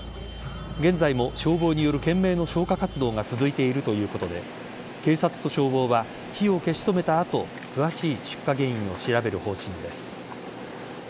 現在の消防による懸命の消火活動が続いているということで警察と消防は火を消し止めた後詳しい出火原因を調べる方針です。